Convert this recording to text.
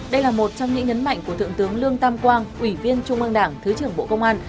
đây là một trong những nhấn mạnh của thượng tướng lương tam quang ủy viên trung ương đảng thứ trưởng bộ công an